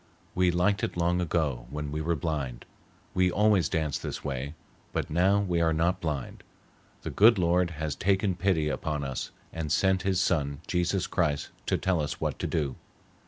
We liked it long ago when we were blind, we always danced this way, but now we are not blind. The Good Lord has taken pity upon us and sent his son, Jesus Christ, to tell us what to do.